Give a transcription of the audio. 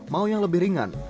mau yang lebih ringan